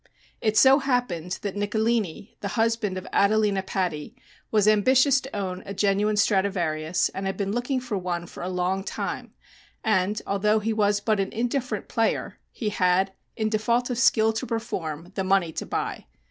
It so happened that Nicolini, the husband of Adelina Patti, was ambitious to own a genuine Stradivarius, and had been looking for one for a long time, and, although he was but an indifferent player, he had, in default of skill to perform, the money to buy.